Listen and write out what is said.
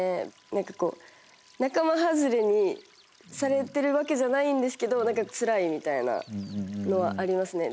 なんかこう仲間外れにされてるわけじゃないんですけどなんかつらいみたいなのはありますね。